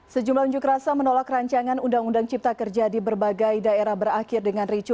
sejumlah unjuk rasa menolak rancangan undang undang cipta kerja di berbagai daerah berakhir dengan ricu